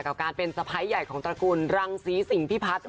กับการเป็นสะพ้ายใหญ่ของตระกูลรังศรีสิงพิพัฒน์